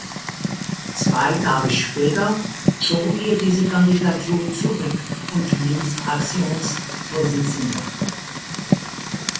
Zwei Tage später zog er diese Kandidatur zurück und blieb Fraktionsvorsitzender.